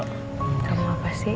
kamu apa sih